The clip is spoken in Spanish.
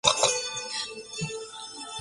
Su capital era São Luís.